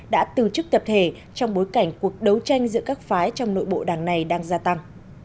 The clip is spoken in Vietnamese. đã từ chức tập thể trong bối cảnh cuộc đấu tranh giữa hàn quốc và hàn quốc